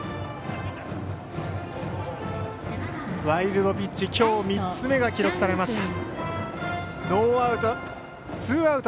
ワイルドピッチ、きょう３つ目が記録されました。